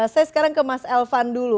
saya sekarang ke mas elvan dulu